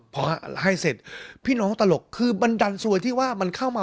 พอให้เสร็จพี่น้องตลกคือมันดันซวยที่ว่ามันเข้ามา